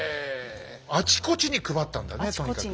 あちこちに配ったんだねとにかくね。